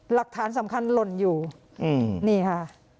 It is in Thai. หลักฐานสำคัญหล่นอยู่นี่ค่ะ